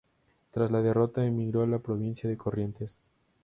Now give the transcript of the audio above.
Tras la derrota emigró a la provincia de Corrientes.